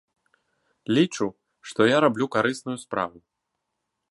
Лічу, што я раблю карысную справу.